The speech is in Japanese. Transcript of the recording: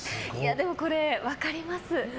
でも、これ分かります。